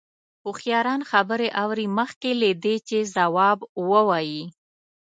هوښیاران خبرې اوري مخکې له دې چې ځواب ووايي.